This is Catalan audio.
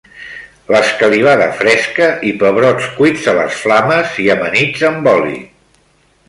L'escalivada fresca i pebrots cuits a les flames i amanits amb oli.